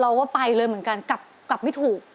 เราก็ไปเลยเหมือนกันกลับไม่ถูก